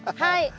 はい。